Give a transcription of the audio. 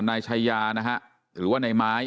นายชายานะฮะหรือว่านายไม้